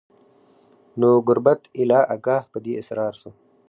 نو ګوربت ایله آګاه په دې اسرار سو